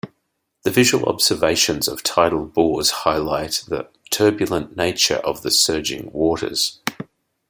The visual observations of tidal bores highlight the turbulent nature of the surging waters.